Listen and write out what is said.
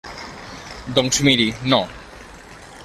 Doncs, miri, no.